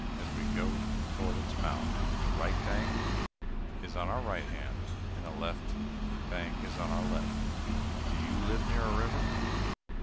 As we go toward its mouth, the right bank is on our right hand, and the left bank is on our left. Do you live near a river?